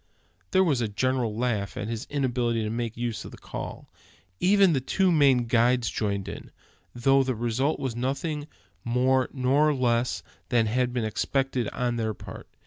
There was a general laugh at his inability to make use of the call; even the two Maine guides joining in, though the result was nothing more nor less than had been expected on their part.